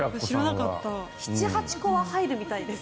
７８個は入るみたいです